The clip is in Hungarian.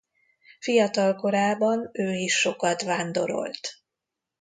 Fiatal korában ő is sokat vándorolt.